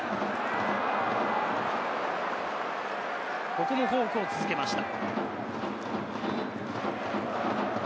ここもフォークを続けました。